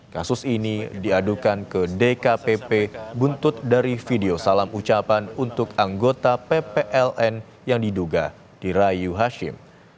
kasus ini diadukan ke dkpp buntut dari video salam ucapan untuk anggota ppln yang diduga dirayu hashim